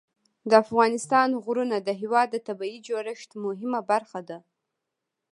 د افغانستان غرونه د هېواد د طبیعي جوړښت مهمه برخه ده.